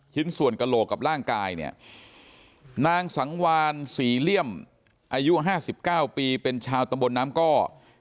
ชิ้นส่วนกระโหลกกับร่างกายเนี่ยนางสังวานศรีเลี่ยมอายุ๕๙ปีเป็นชาวตำบลน้ำก้อ